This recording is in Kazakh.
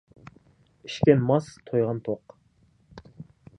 Ішкен мас, тойған тоқ.